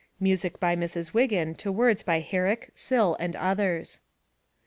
(Music by Mrs. Wiggin to words by Herrick, Sill, and others.)